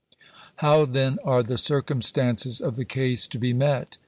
How then are the circumstances of the case to be met